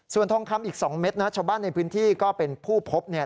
ส่วนทองคำอีก๒เม็ดนะชาวบ้านในพื้นที่ก็เป็นผู้พบเนี่ย